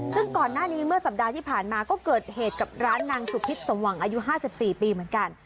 ซึ่งก่อนหน้านี้เมื่อสัปดาห์ที่ผ่านมาก็เกิดเหตุกับร้านนางสุพิษสมหวังอายุ๕๔ปีเหมือนกัน